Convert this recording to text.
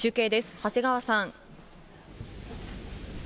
長谷川さん。